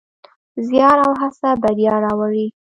زیار او هڅه بریا راوړي.